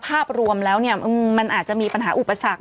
ภาพรวมแล้วมันอาจจะมีปัญหาอุปสรรค